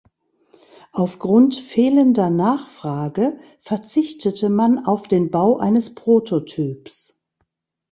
Aufgrund fehlender Nachfrage verzichtete man auf den Bau eines Prototyps.